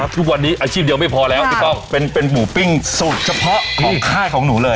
ทุกวันนี้อาชีพเดียวไม่พอแล้วเป็นหมูปิ้งสูตรเฉพาะของค่ายของหนูเลย